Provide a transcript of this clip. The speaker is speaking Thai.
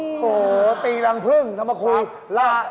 โอ้โฮตีรังเพิ่งทำมาคุยล่า